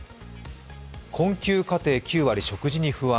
困窮家庭９割、食事に不安。